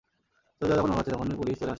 দরজা যখন ভাঙা হচ্ছে তখনই পুলিশ চলে আসে।